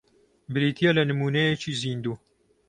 بریتییە لە نموونەیەکی زیندوو